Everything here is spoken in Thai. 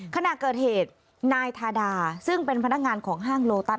ขณะเกิดเหตุนายทาดาซึ่งเป็นพนักงานของห้างโลตัส